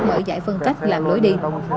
mở giải phân cách làm đối đi